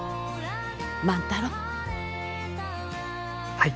はい！